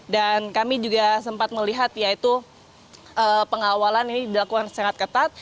dan kami juga sempat melihat yaitu pengawalan ini dilakukan sangat ketat